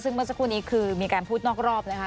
ซึ่งเมื่อสักครู่นี้คือมีการพูดนอกรอบนะคะ